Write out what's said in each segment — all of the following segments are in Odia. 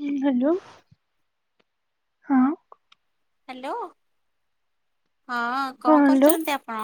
ହଁ ହ୍ୟାଲୋ। ହଁ ହ୍ୟାଲୋ ହଁ ହଁ କଣ ହ୍ୟାଲୋ କରୁଛନ୍ତି ଆପଣ?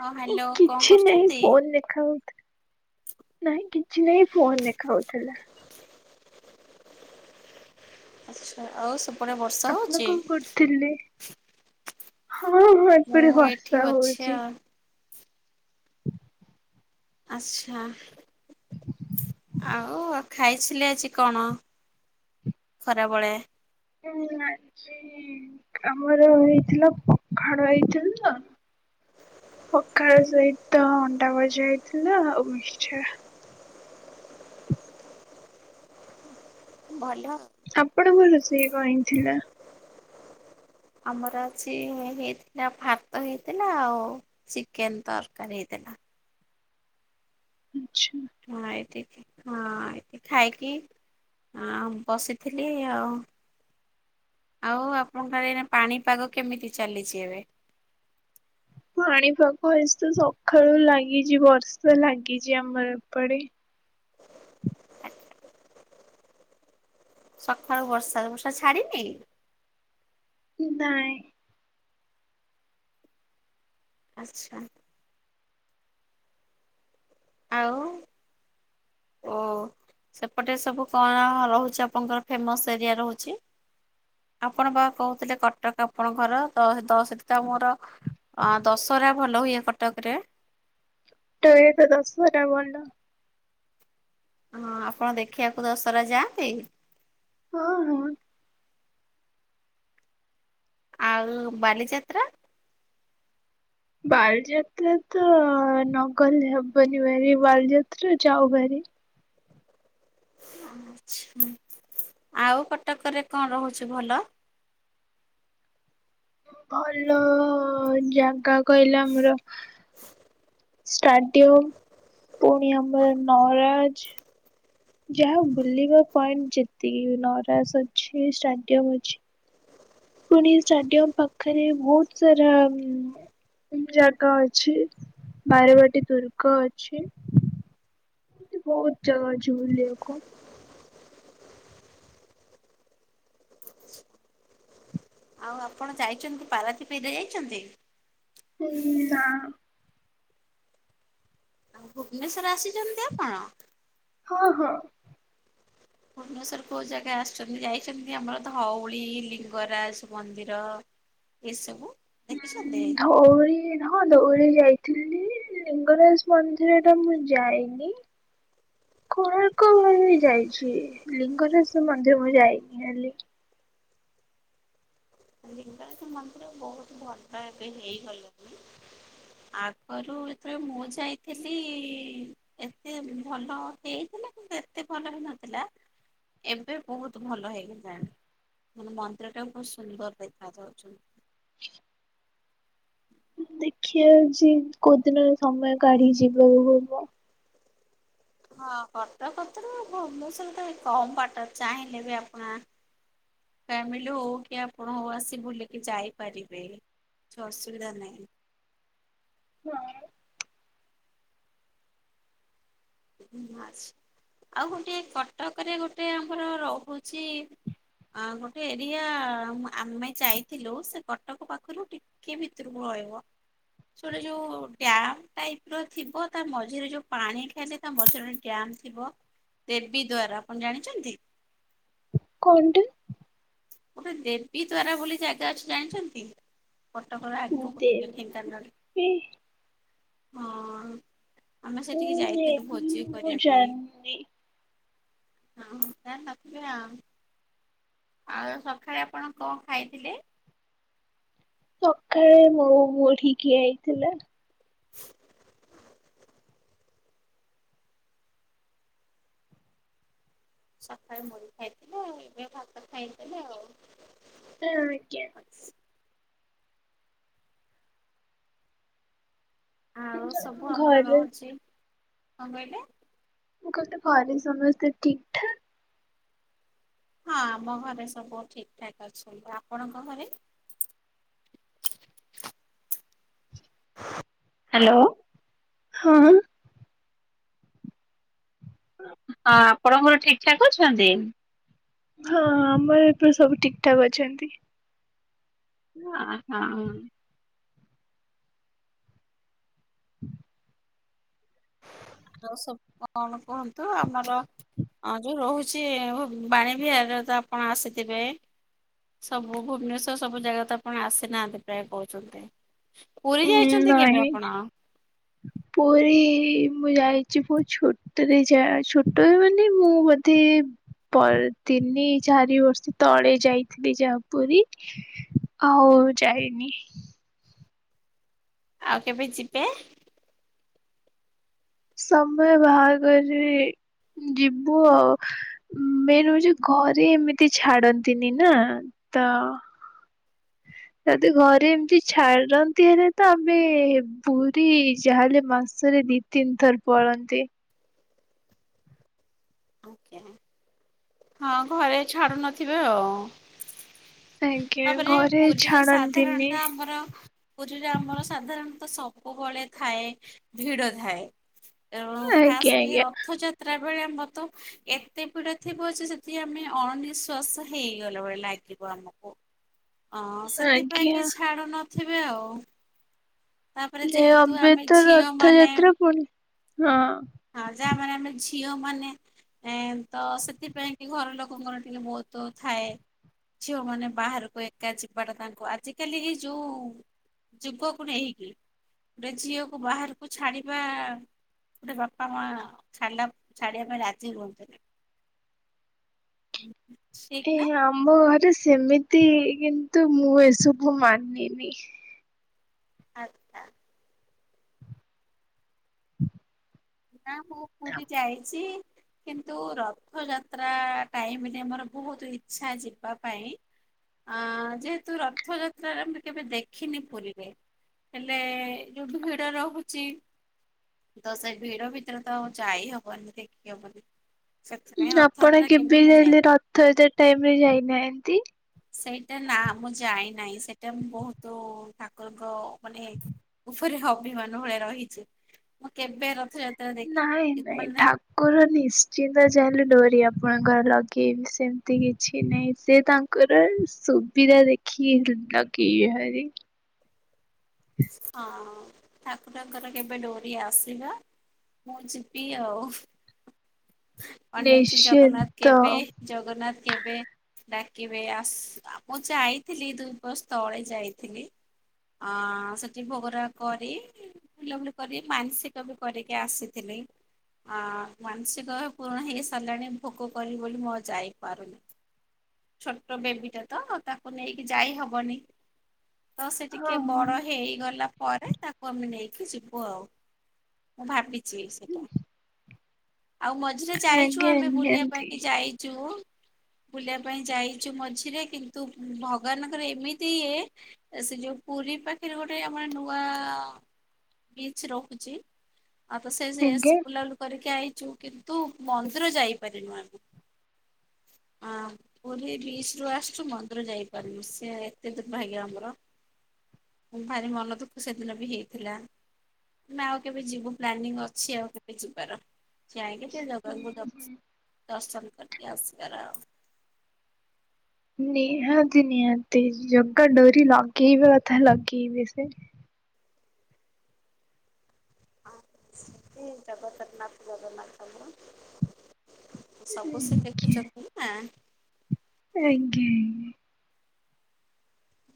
ହଁ ହ୍ୟାଲୋ କଣ କରୁଚନ୍ତି? ଖାଉଥି ନାଇଁ କିଛି ନାଇଁ ଫୋନ ଦେଖାହୋଉଥିଲା। ଆଚ୍ଛା ଆଉ ସେପଟେ ବର୍ଷା ହଉଛି? ହେଲେ ହଁ ହଁ ମୁଁ ଏପଟେ ଏଇଠି ବର୍ଷା ଅଛି ହଉଛି। ଆଉ। ହୁଁ। ଆଚ୍ଛା ଆଉ। ଓ ଆଉ ଖାଇଥିଲେ ଆଜି କଣ ଖରାବେଳେ? ହୁଁ ଆଜି ହଁ ଆମର ହେଇଥିଲା ପଖାଳ ହେଇଥିଲା। ପଖାଳ ସହିତ ଅଣ୍ଡା ଭଜା ହେଇଥିଲା ଆଉ ମିକ୍ସଚର। ଭଲ। ଆପଣଙ୍କ ରୋଷେଇ କଣ ହେଇଥିଲା? ଆମର ଆଜି ହେଇଥିଲା ଭାତ ହେଇଥିଲା ଆଉ ଚିକେନ ତରକାରୀ ହେଇଥିଲା। ଆଚ୍ଛା। ହଁ ଏଇଠୀ ହଁ ଏଇଠି ଖାଇକି ହଁ ବସିଥିଲି ଆଉ। ଆଉ ଆପଣଙ୍କର ଆଡେ ଏନା ପାଣିପାଗ କେମିତି ଚାଲିଛି ଏବେ? ପାଣିପାଗ ଏ ତ ସଖାଳୁ ଲାଗିଛି ବର୍ଷା ଲାଗିଛି ଆମର ଏପଡେ। ସକାଳୁ ବର୍ଷା। ବର୍ଷା ଛାଡିନି? ନାଇ। ଆଚ୍ଛା। ଆଉ ଓ। ସେପଟେ ସବୁ କଣ ରହୁଛି ଆପଣଙ୍କର ଫେମସ ଏରିଆ ରହୁଛି? ଆପଣ ବା କହୁଥିଲେ କଟକ ଆପଣଙ୍କ ଘର ତ ଦ ସେଠି ତ ମୋର। ଅଁ ଦଶହରା ଭଲ ହୁଏ କଟକରେ। ତ ଏ ତ ଦଶହରା ଭଲ। ହଁ ଆପଣ ଦେଖିବାକୁ ଦଶହରା ଯାଆନ୍ତି। ହଁ ହଁ। ଆଉ ବାଲିଯାତ୍ରା। ବାଲିଯାତ୍ରା ତ ନଗଲେ ହବନି ଭେରି ବାଲିଯାତ୍ରା ଯାଉ ଭେରି। ଆଚ୍ଛା ଆଉ କଟକରେ କଣ ରହୁଛି ଭଲ? ଭଲ ଜାଗା କହିଲେ ଆମର। ଷ୍ଟାଡିୟମ ପୁଣି ଆମର ନରାଜ। ଯାହା ବୁଲିବା ପଏଣ୍ଟ ଯେତିକି ନରାଜ ଅଛି ଷ୍ଟାଡିୟମ ଅଛି। ପୁଣି ଷ୍ଟାଡିୟମ୍ ପାଖରେ ବହୁତ ସାରା ଉଁ। ଜାଗା ଅଛି ବାରବାଟୀ ଦୁର୍ଗ ଅଛି। ଏମିତି ବହୁତ ଜାଗା ଅଛି ବୁଲିବା କୁ। ଆଉ ଆପଣ ଯାଇଛନ୍ତି ପାରାଦୀପ ଏରିଆ ଯାଇଛନ୍ତି? ହୁଁ ନା। ଆଉ ଭୁବନେଶ୍ୱର ଆସିଛନ୍ତି ଆପଣ? ହଁ ହଁ। ଭୁବନେଶ୍ଵର କୋଉ ଜାଗା ଆସିଛନ୍ତି ଯାଇଛନ୍ତି ଆମର ଧଉଳି, ଲିଙ୍ଗରାଜ ମନ୍ଦିର। ଏସବୁ ଉଁ ଦେଖିଛନ୍ତି। ଧଉଳି ନ ହଁ ଧଉଳି ଯାଇଥିଲି ଲିଙ୍ଗରାଜ ମନ୍ଦିର ଟା ମୁଁ ଯାଇନି। କୋଣାର୍କ, ଧଉଳି ଯାଇଛି ଲିଙ୍ଗରାଜ ମନ୍ଦିର ମୁଁ ଯାଇନି ଖାଲି। ଲିଙ୍ଗରାଜ ମନ୍ଦିର ବହୁତ ଭଲ ଏବେ ହେଇଗଲେଣିି। ଆଗରୁ ଯେତେବେଳେ ମୁଁ ଯାଇଥିଲି। ଏତେ ଭଲ ହେଇଥିଲା କିନ୍ତୁ ଏତେ ଭଲ ହେଇନଥିଲା। ଏବେ ବହୁତ ଭଲ ହେଇଗଲାଣି ମାନେ ମନ୍ଦିରଟା ବହୁତ ସୁନ୍ଦର। ଦେଖାଯାଉଛନ। [inaudible] ଦେଖିବା ଆଜି କୋଉଦିନରେ ସମୟ କାଢି ଯିବାକୁ ହବ। ହଁ କଟକ କତୀରୁ ଭୁବନେଶ୍ବର ତ କମ ବାଟ ଚାହିଁଲେ ବି ଆପଣ। ଫ୍ୟାମିଲି ହଉ କି ଆପଣ ହଉ ଆସି ବୁଲିକି ଯାଇପାରିବେ। କିଛି ଅସୁବିଧା ନାହିଁ। ହଁ। ମାଛ ଆଉ ଗୋଟିଏ କଟକରେ ଗୋଟେ ଆମର ରହୁଚି। ଆଁ ଗୋଟେ ଏରିଆ ଆମ ଆମେ ଯାଇଥିଲୁ ସେ କଟକ ପାଖରୁ ଟି କେ ଭିତରୁକୁ ରହିବ। ସେଗୁଡା ଯଉ ଡ୍ୟାମ ଟାଇପ ର ଥିବ ତା ମଝିରେ ଯୋଉ ପାଣି ଖାଲି। ତା ମଝିରେ ଗୋଟେ ଡ୍ୟାମ ଥିବ ଦେବୀ ଦ୍ଵାର। ଆପଣ ଜାଣିଛନ୍ତି? କଉମ ଟି। ଗୋଟେ ଦେବୀ ଦ୍ଵାରା ବୋଲି ଜାଗା ଅଛି ଜାଣିଚନ୍ତି? କଟକ ର ଅଗୁକୁ ଟିକେ ଦେବି ଢେଙ୍କାନାଳେ [inaudible] ହଁ। ଆମେ ଉଁ ସେଠିକି ଯାଇଥିଲୁ ନେବି ଭୋଜି ମୁଁ କରିବା ପାଇଁ। ଜାଣିନି। [unintelligible] ଆଉ ସଖାଳେ ଆପଣ କଣ ଖାଇଥିଲେ? ସଖାଳେ ମୋ ମୁଢି ଖିଆ ହେଇଥିଲା। ସକାଳେ ମୁଢ଼ି ଖାଇଥିଲେ ଏବେ ଭାତ ଖାଇଦେଲେ ଆଉ। ହଁ ଆଜ୍ଞା। [inaudible] ଆଉ ସବୁ ଆମର ଘରେ ରହୁଚି କଂ କହିଲେ? ମୁଁ କଲି ଘରେ ସମସ୍ତେ ଠିକ୍ ଠାକ୍ ହଁ ଆମ ଘରେ ସବୁ ଠିକଠାକ୍ ଅଛନ୍ତି ଆପଣଙ୍କ ଘରେ? ହାଲୋ। ହଁ। ହଁ ଆପଣଙ୍କର ଠିକ ଠାକ୍ ଅଛନ୍ତି? ହଁ ଆମର ଏପଟେ ସବୁ ଠିକଠାକ୍ ଅଛନ୍ତି। ଆ ହଁ। [inaudible] ଆଉ ସବୁ କଣ କୁହନ୍ତୁ ଆମର ହଁ ଯୋଉ ରହୁଚି ଓ ବାଣୀ ବିହାର ତ ଆପଣ ଆସିଥିବେ। ସବୁ ଭୁବନେଶ୍ଵର ସବୁ ଜାଗା ତ ଆପଣ ଆସିନାହାନ୍ତି ପ୍ରାୟ କହୁଚନ୍ତି। ପୁରୀ ଉଁ ଯାଇଛନ୍ତି କେବେ ନାଇଁ ଆପଣ? [inaudible] ପୁରୀ ମୁଁ ଯାଇଛି ପ ଛୋଟରେ ଜା ଛୋଟ ରେ ମାନେ ମୁଁ ବୋଧେ ପର୍ ତିନି ଚାରି ବର୍ଷ ତଳେ ଯାଇଥିଲି ଯାହା ପୁରୀ। ଆଉ ଯାଇନି। ଆଉ କେବେ ଯିବେ? ସମୟ ବାହାର କରି ଯିବୁ ଆଉ। ମେନ୍ ହୋଉଚି ଘରେ ଏମିତି ଛାଡନ୍ତିନି ନା ତ ଯଦି ଘରେ ଏମିତି ଛାଡନ୍ତି ହେଲେ ତ ଆମେ ପୁରୀ ଯାହା ହେଲେ ମାସ ସରେ ଦି ତିନି ଥର ପଳନ୍ତି। ଆଜ୍ଞା ହଁ ଘରେ ଛାଡ଼ୁନଥିବେ ଆଉ। ଆଜ୍ଞା ତାପରେ ଘରେ ପୁରୀରେ ଛାଡନ୍ତିନି ସାଧାରଣତଃ ଆମର ପୁରୀରେ ଆମର ସାଧାରଣତଃ ସବୁବେଳେ ଥାଏ ଭିଡ ଥାଏ। ଏବଂ ଆଜ୍ଞା ଖାସକି ଆଜ୍ଞା ରଥଯାତ୍ ତ୍ରା ବେଳେ ଆମ ତ ଏତେ ଭିଡ ଥିବ ଯେ ସେତୀ ଆମେ ଅଣନିଶ୍ୱାସ ହେଇଗଲା ଭଳି ଲାଗ ଗିଵ ଆମକୁ ଅଁ ସେଥିପାଇଁ ଆଜ୍ଞା କି ଛାଡ଼ୁ ନଥିବେ ଆଉ। ତାପରେ ଲେ ଯେହେତୁ ଅବେ ଆମେ ତ ଝିଅ ମାନେ ରଥଯାତ୍ରା ପୁଣି ହଁ। ହଁ ଯାହା ମାନେ ଆମେ ଝିଅ ମାନେ ଏଁ ତ ସେଥିପାଇଁ କି ଘର ଲୋକଙ୍କର ଟିକେ ବହୁତ ଥାଏ। ଝିଅମାନେ ବାହାରକୁ ଏକା ଯିବାଟା ତାଙ୍କୁ ଆଜିକାଲି ଏ ଯୋଉ ଯୁଗକୁ ନେଇକି ଗୋଟେ ଝିଅକୁ ବାହାରକୁ ଛାଡିବା ଗୋଟେ ବାପା ମା ଛାଲା ଛାଡିବା ପାଇଁ ରାଜି ହୁଅନ୍ତିନି। ଠିକ୍ ଏ ନା ହେଁ ଆମ ଘରେ ସେମିତି କିନ୍ତୁ ମୁଁ ଏସବୁ ମାନିନି। [inaudible] ହୁଁ ନା ମୁଁ ପୁରୁରୀ ଯାଇଛି। କିନ୍ତୁ ରଥଯାତ୍ରା ଟାଇମରେ ମୋର ବୋହୁତ ଇଚ୍ଛା ଯିବା ପାଇଁ ଆଁ ଯେହେତୁ ରଥଯାତ୍ରାରେ ଆମର କେବେ ଦେଖିନି ପୁରୀରେ। ହେଲେ ଯୋଉ ଭିଡ ରୋହୁଚି ତ ସେ ଭିଡ ଭିତରେ ତ ଆଉ ଯାଇ ହବନି ଦେଖି ହବନ ସେଥିପାଇଁ ରଥଯାତ୍ରା କେବେ ମୁଁ ଯାଇନି। ଥରେ ଥର ଟାଇମ ରେ ଯାଇନାହାନ୍ତି। ସେଇଟା ନା ମୁଁ ଯାଇନାହିଁ ସେଇଟା ମୁଁ ବୋହୁତ ଠାକୁରଙ୍କ ମାନେ ପରେ ଅଭିମାନ ଭଳିଆ ରହିଚି ମୁଁ କେବେ ରଥଯା ନାଇଁ ନାଇଁ ଠା କୁର ନିଶ୍ଚିନ୍ତ ଚାହିଁଲେ ଡୋରି ଆପଣଙ୍କର ଲଗେଇବି ସେମତି କିଛି ନାହିଁ ସେ ତା ଙ୍କର ସୁବିଧା ଦେଖି ଲାଗେଇବେ ଭାରି। ହଁ ଠାକୁରଙ୍କର କେବେ ଡୋରି ଆସିବା ମୁଁ ଯିବି ଆଉ ଅନେଇଛି ଜଗନ୍ନାଥ ନିଶ୍ଚିନ୍ତ କେବେ ଜଗନ୍ନାଥ କେବେ ଡାକିବେ ଆସ ମୁଁ ଯାଇଥିଲି ଦୁଇବସ୍ ତଳେ ଯାଇଥିଲି। ଆଁ ସେଠି ଭୋଗରା କରି ବୁଲାବୁଲି କରି ମାନସିକ ବି କରିକି ଆସିଥିଲି। ଆ ମାନସିକ ଭାବେ ପୁରୁଣ ହେଇସାରିଲାଣି ଭୋଗ କରିବ ବୋଲି ମୁଁ ଯାଇପାରୁନି। ଛୋଟ ବେବି ଟା ତ ତାକୁ ନେଇକି ଯାଇ ହବନି। ତ ସେ ଟିକେ ବଡ ହଁ ହେଇଗଲା ପରେ ତା କୁ ଆମେ ନେଇକି ଯିବୁ ଆଉ ମୁଁ ଭାବିଚି ସେଇଟା। ଆଉ ମଝିରେ ଯାଇଚୁ ଆଜ୍ଞା ଆମେ ବୁଲିବା ନିହାତି ପାଇଁ ଯାଇଚୁ ବୁଲିବା ପାଇଁ ଯାଇଚୁ ମଝିରେ କିନ୍ତୁ ଭଗବାନଙ୍କର ଏମିତି ଇଏ ସେ ଯୋଉ ପୁରୀ ପାଖରେ ଗୋଟେ ଆମର ନୂଆ ବିଚ ରୋହୁଚି ଆଉ ତ ସେ ସେଇ ଆଜ୍ଞା। ଏସପୁଲାଲୁ କରିକି ଆଇଚୁ କିନ୍ତୁ ମନ୍ଦିର ଯାଇପାରିନୁ ଆମେ। ଆ ପୁରୀ ବିଶ ରରୁ ଆସଚୁ ମନ୍ଦିର ଯାଇପାରିବୁ ସି ଏତେ ଦୂିନ ଭାଗ୍ୟ ଆମର। ଭାରି ମନ ଦୁଃଖ ସେଦିନ ବି ହେଇଥିଲା। ତମେ ଆଉ କେବେ ଯିବୁ ପ୍ଲାନିଂ ଅଛି ଆଉ କେବେ ଯିବାର। ଯାଇକି ଟିକେ ଜଗଙ୍କୁ ଦସ୍ ଦର୍ଶନ କରିକି ଆସିବାର ଆଉ। ନିହାତି ନିହାତି ଜଗା ଡୋରି ଲାଗିିବ କଥା ଲାଗେଇିବ ସେ। ଆ ସିଏ ଜଗଦରନାଥ ଜଗନ୍ନାଥଙ୍କୁ। ସବୁ ସେ ଆଜ୍ଞା ଦେଖୁଚନ୍ତି ନା। ଆଜ୍ଞା ଆଜ୍ଞା।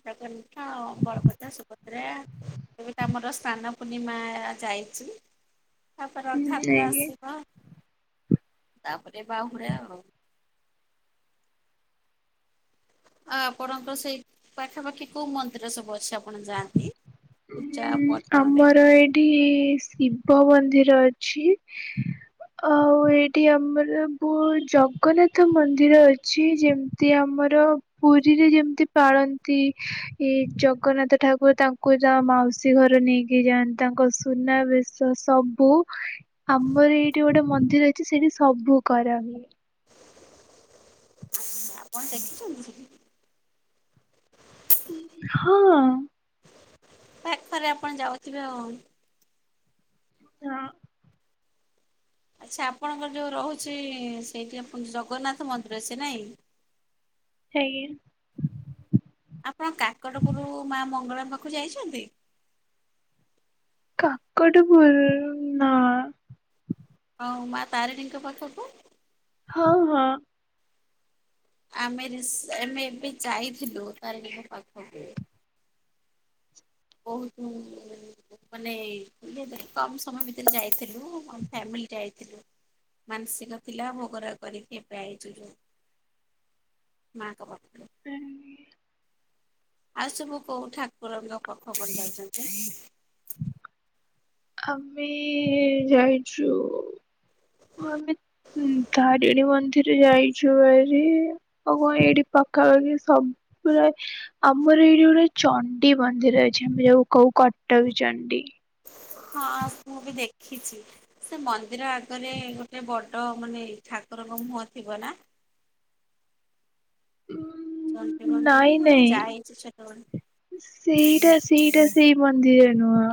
ଜଗନ୍ନାଥ ଆଉ ବଳଭଦ୍ର ସୁଭଦ୍ରା। ଏବେ ତ ଆମର ସ୍ନାନ ପୂର୍ଣ୍ଣିମା ଯାଇଚି। ତାପରେ ରଥଆତ୍ରା ଆଜ୍ଞା। ଆସିବା ତାପରେ ବାହୁଡ଼େ ଆଉ। ଆ ଆପଣଙ୍କର ସେଇ ପାଖାପାଖି କୋଉ ମନ୍ଦିର ସବୁ ଅଛି ଆପଣ ଯାଆନ୍ତି? ପୂଜା ଉଁ ପର୍ବରେ ଆମର ଏଇଠି ଶିବ ମନ୍ଦିର ଅଛି। ଆଉ ଏଇଠି ଆମର ବୋହୁ ଜଗନ୍ନାଥ ମନ୍ଦିର ଅଛି ଯେମତି ଆମର ପୁରୀରେ ଯେମିତି ପାଳନ୍ତି ଏ ଜଗନ୍ନାଥ ଠାକୁର ତା ଙ୍କୁ ତାଙ୍କ ମାଉସୀ ଘର ନେଇକି ଯାଆନ୍ତି ତାଙ୍କ ସୁନାବେଶ ସବୁ ଆମର ଏଇଠି ଗୋଟେ ମନ୍ଦିର ଅଛି ସେଇଠି ସବୁ କରାହୁଏ। ଆଚ୍ଛା ଆପଣ ଦେଖିଚନ୍ତି ସେଠି? ହଁ। ପାଖରେ ଆପଣ ଯାଉଥିବେ ଆଉ। ହଁ। ଆଚ୍ଛା ଆପଣଙ୍କର ଯୋଉ ରହୁଛି ସେଇଠି ଆପଣ ଜଗନ୍ନାଥ ମନ୍ଦିର ସେ ନାଇଁ? ଆଜ୍ଞା। ଆପଣ କାକଟପୁରୁ ମା ମଙ୍ଗଳାଙ୍କ ପାଖକୁ ଯାଇଛନ୍ତି? କାକଟପୁରୁ ରୁ ନା। ଆଉ ମା ତାରିଣୀଙ୍କ ପାଖକୁ? ହଁ, ହଁ। ଆମେ ରିସେ ଆମେ ଏବେ ଯାଇଥିଲୁ ତାରିଣୀଙ୍କ ପାଖକୁ। ବହୁତୁ ମାନେ ଏଇ କମ ସମୟ ଭି ତରେ ଯାଇଥିଲୁ, ଆମ ଫ୍ୟାମିଲି ଯାଇଥିଲୁ। ମାନସିକ ଥିଲା ଭୋଗ ରାଗ କରିକି ଏବେ ଆଇଛୁ ଯୋଉ ମାଙ୍କ ପାଖରୁ। [unintelligible] ଆଉ ସବୁ କୋଉ ଠାକୁରଙ୍କ ପାଖକୁ ଯାଉଛନ୍ତି? ଆମେ ଯାଇଛୁ ଆମେ ଉଁ, ହୁଁ, ତାରିଣୀ ମନ୍ଦିର ଯାଇଛୁ ଭାରି। ଆଉ କଣ ଏଇଠି ପାଖାପାଖି ସ-ପୁରା ଆମର ଏଇଠି ଗୋଟେ ଚଣ୍ଡୀ ମନ୍ଦିର ଅଛି, ଆମେ ଯୋଉ କହୁ କଟକଚଣ୍ଡୀ। ହଁ ମୁଁ ବି ଦେଖିଛି। ସେ ମନ୍ଦିର ଆଗରେ ଗୋଟେ ବଡ ମାନେ ଠାକୁରଙ୍କ ମୁହଁ ଥିବ ନା? ଉଁ, ଚଣ୍ଡୀ ମନ୍ଦିର ମୁଁ ନାଇଁ ମଧ୍ଯ ନାଇଁ ଯାଇଛି ଛୋଟବେଳୁ। ସେଇଟା ସେଇଟା ସେଇ ମନ୍ଦିର ନୁହଁ।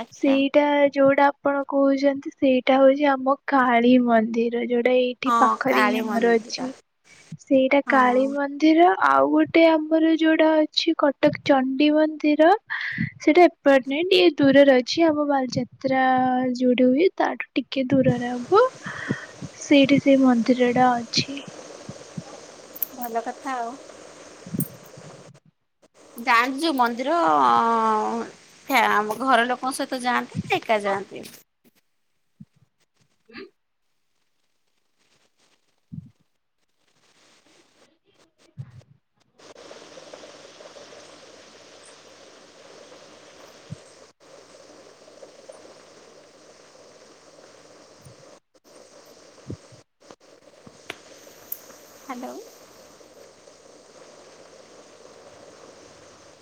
ଆଚ୍ଛା। ସେଇ ଟା ଯୋଉଟା ଆପଣ କହୁଛନ୍ତି ସେଇଟା ହଉଛି ଆମ କାଳୀ ମନ୍ଦିର, ଯୋଉଟା ଏଇ ଠି ହଁ ପାଖରେ ହିଁ କାଳୀ ଆମର ମନ୍ଦିର ଅଛି। ସେଇଟା ହଁ କାଳୀମନ୍ଦ ନ୍ଦିର ଆଉ ଗୋଟେ ଆମର ଯୋଉଟା ଅଛି କଟକଚଣ୍ଡୀ ମନ୍ଦିର ସେଇଟା ଏ [unintelligible] ଦୂରରେ ଅଛି, ଆମ ବାଲିଯାତ୍ରା ଯେଉଠି ହୁଏ ତାଠୁ ଟିକେ ଦୂରରେ ହବ। ସେଇଠି ସେଇ ମନ୍ଦିର ଟା ଅଛି। ଭଲ କଥା ଆଉ। ଯାଆନ୍ତି ଯେ ମନ୍ଦିର ଅଁ, ହେ ଆମ ଘର ଲୋକ ଙ୍କ ସହିତ ଯାଆନ୍ତି ନା ଏକା ଯାଆନ୍ତି? [inaudible] ହାଲୋ।